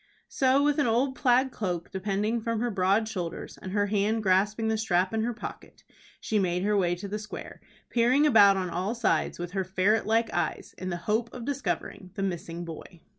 So with an old plaid cloak depending from her broad shoulders, and her hand grasping the strap in her pocket, she made her way to the square, peering about on all sides with her ferret like eyes in the hope of discovering the missing boy.